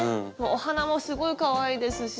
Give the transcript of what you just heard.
お花もすごいかわいいですし。